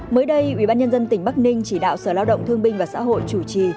mới đây ubnd tỉnh bắc ninh chỉ đạo sở lao động thương binh và xã hội chủ trì